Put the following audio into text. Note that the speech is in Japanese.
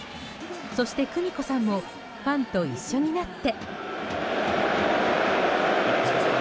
そして久美子さんもファンと一緒になって。